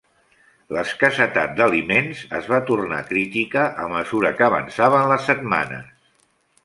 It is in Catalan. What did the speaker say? L'escassetat d'aliments es va tornar crítica a mesura que avançaven les setmanes.